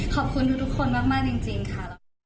ขอบคุณทุกคนมากจริงค่ะ